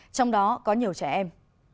trong đó có nhiều trẻ em